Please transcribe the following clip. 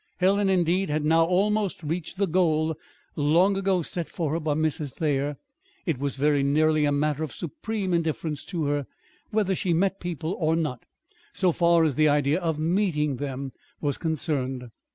Helen, indeed, had now almost reached the goal long ago set for her by Mrs. Thayer: it was very nearly a matter of supreme indifference to her whether she met people or not, so far as the idea of meeting them was concerned.